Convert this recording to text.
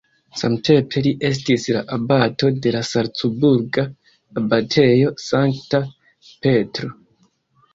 Samtempe li estis la abato de la salcburga abatejo Sankta Petro.